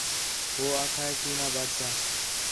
ہو آکھا ہِے کینا بادشاہ